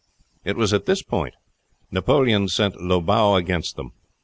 It was at this time Napoleon sent Lobau against them.